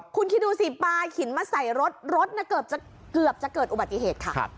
คุณคิดดูสิปลาหินมาใส่รถรถเกือบจะเกิดอุบัติเหตุค่ะ